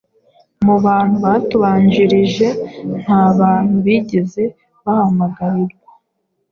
Mu bantu batubanjirije, nta bantu bigeze bahamagarirwa